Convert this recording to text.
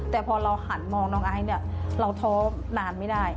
แต่พอเราหันมองน้องไอซ์เนี่ยเราท้อนานไม่ได้